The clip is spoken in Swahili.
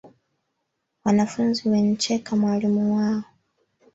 Wanafunzi wencheka mwalimu wao